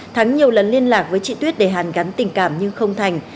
thắng nhiều lần liên lạc với chị tuyết để hàn gắn tình cảm nhưng không thành